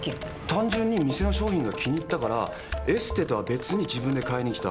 「単純に店の商品が気に入ったからエステとは別に自分で買いに来た」